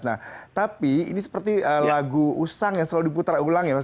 nah tapi ini seperti lagu usang yang selalu diputar ulang ya mas